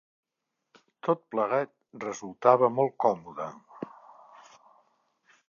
Tot plegat resultava molt còmode.